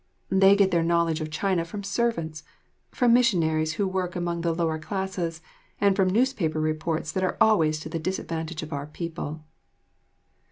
They get their knowledge of China from servants, from missionaries who work among the lower classes, and from newspaper reports that are always to the disadvantage of our people.